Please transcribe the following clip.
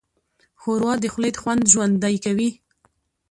ښوروا د خولې خوند ژوندی کوي.